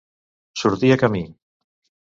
Sortir a camí.